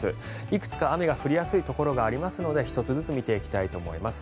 いくつか雨が降りやすいところがありますので１つずつ見ていきたいと思います。